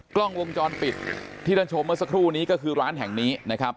กล้องวงจรปิดที่ท่านชมเมื่อสักครู่นี้ก็คือร้านแห่งนี้นะครับ